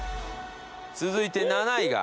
続いて７位が。